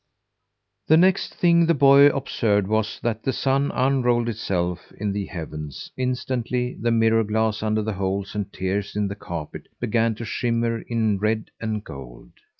The next thing the boy observed was that the sun unrolled itself in the heavens. Instantly, the mirror glass under the holes and tears in the carpet began to shimmer in red and gold.